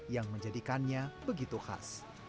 yang menjadikannya begitu khas